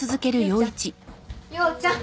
陽ちゃん。